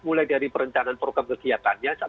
mulai dari perencanaan program kegiatannya